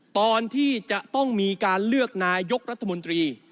ตอนที่จะต้องมีการเลือกนายกรัฐมนตรี